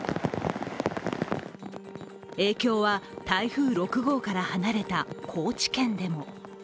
影響は、台風６号から離れた高知県でも。